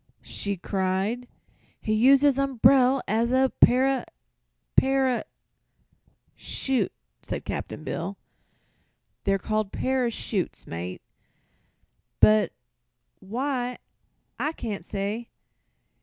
she cried. "He used his umbrel as a para para " "Shoot," said Cap'n Bill. "They're called parashoots, mate; but why, I can't say.